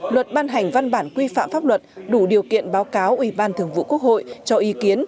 luật ban hành văn bản quy phạm pháp luật đủ điều kiện báo cáo ủy ban thường vụ quốc hội cho ý kiến